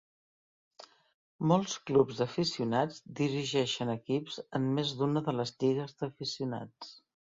Molts clubs d'aficionats dirigeixen equips en més d'una de les lligues d'aficionats.